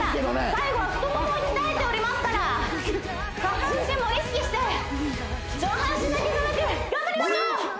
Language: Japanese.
最後は太モモを鍛えておりますから下半身も意識して上半身頑張りましょう！